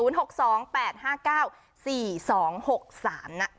จ้ะ